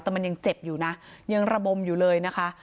แต่มันยังเจ็บอยู่นะยังระบมอยู่เลยนะคะ